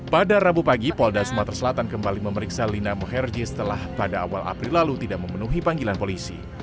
pada rabu pagi polda sumatera selatan kembali memeriksa lina muherje setelah pada awal april lalu tidak memenuhi panggilan polisi